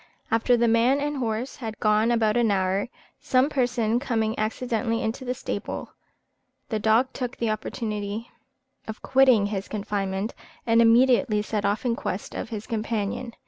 After the man and horse had been gone about an hour, some person coming accidentally into the stable, the dog took the opportunity of quitting his confinement, and immediately set off in quest of his companion.